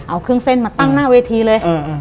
เอาเครื่องเส้นมาตั้งหน้าเวทีเลย